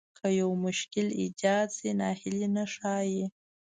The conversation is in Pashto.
که يو مشکل ايجاد شي ناهيلي نه ښايي.